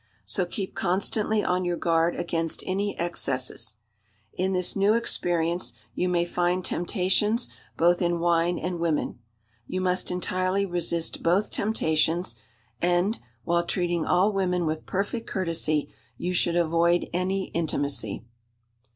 So keep constantly on your guard against any excesses. In this new experience you may find temptations both in wine and women. You must entirely resist both temptations, and, while treating all women with perfect courtesy, you should avoid any intimacy.